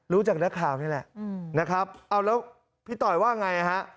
รู้จักนักข่าวนี่แหละนะครับเอาแล้วพี่ต่อยว่าไงฮะ